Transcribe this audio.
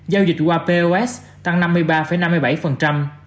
giao dịch qua pos tăng năm mươi ba năm mươi bảy